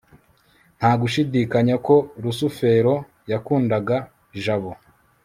ntagushidikanya ko rusufero yakundaga jabo